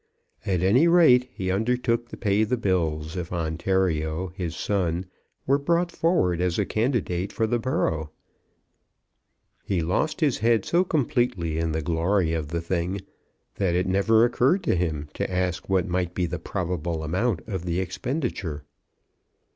At any rate, he undertook to pay the bills, if Ontario, his son, were brought forward as a candidate for the borough. He lost his head so completely in the glory of the thing, that it never occurred to him to ask what might be the probable amount of the expenditure.